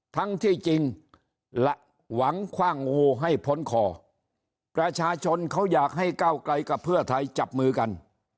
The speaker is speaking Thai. ทั้งที่จริงหวังคว่างงูให้พ้นคอประชาชนเขาอยากให้ก้าวไกลกับเพื่อไทยจับมือกัน